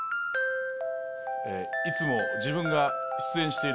いつも自分が出演している